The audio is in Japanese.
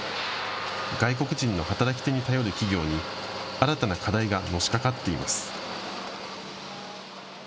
外国人の働き手に頼る企業に新たな課題がのしかかっています。